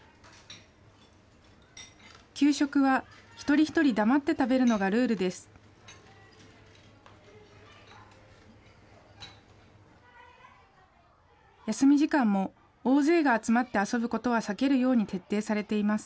給食は一人一人黙って食べるのがルールです。